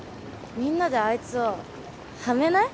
みんなであいつをはめない？